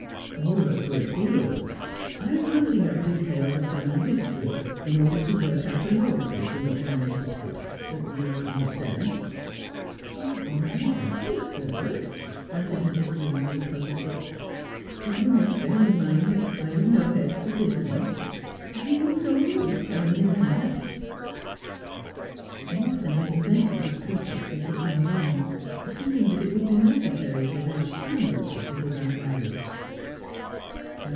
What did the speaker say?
' A great deal. I am hunting up details of family history in order to work out a law case in which I am interested. You understand ?'' Not exactly, sir,' answered Mrs. Green, with a puzzled look ;' but you must bear in mind that I've no head for business. Green is always telling me that.' Morton had invented this pretext as he came along, feeling that it would be necessary to allege some motive for his inquiries.